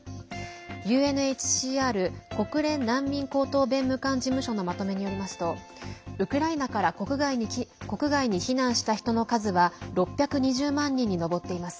ＵＮＨＣＲ＝国連難民高等弁務官事務所のまとめによりますとウクライナから国外に避難した人の数は６２０万人に上っています。